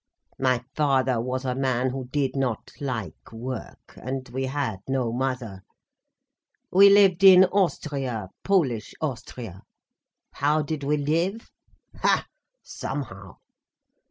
"My father was a man who did not like work, and we had no mother. We lived in Austria, Polish Austria. How did we live? Ha!—somehow!